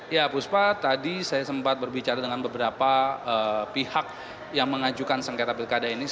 ya puspa tadi saya sempat berbicara dengan beberapa pihak yang mengajukan sengketa pilkada ini